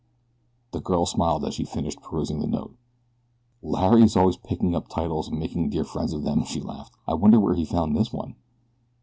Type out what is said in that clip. The girl smiled as she finished perusing the note. "Larry is always picking up titles and making dear friends of them," she laughed. "I wonder where he found this one."